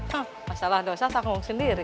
nah masalah dosa tanggung sendiri